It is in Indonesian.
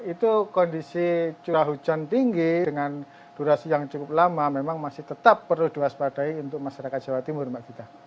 itu kondisi curah hujan tinggi dengan durasi yang cukup lama memang masih tetap perlu diwaspadai untuk masyarakat jawa timur mbak gita